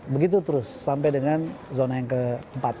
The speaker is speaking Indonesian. begitu terus sampai dengan zona yang keempat